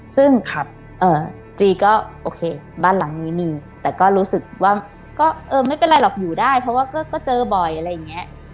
ซึ่งจีก็โอเคบ้านหลังนี้มีแต่ก็รู้สึกว่าก็เออไม่เป็นไรหรอกอยู่ได้เพราะว่าก็เจอบ่อยอะไรอย่างนี้